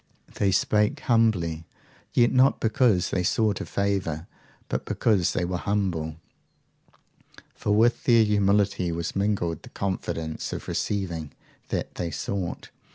They spake humbly, yet not because they sought a favour, but because they were humble, for with their humility was mingled the confidence of receiving that they sought.